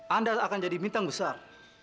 anda akan jadi bintang besar